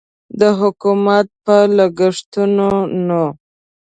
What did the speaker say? د حکومت په لګښتونو و.